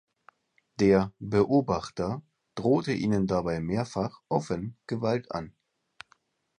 Der "Beobachter" drohte ihnen dabei mehrfach offen Gewalt an.